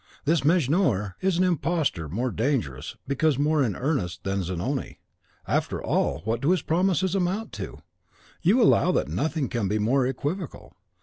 This Mejnour is an imposter more dangerous, because more in earnest, than Zanoni. After all, what do his promises amount to? You allow that nothing can be more equivocal.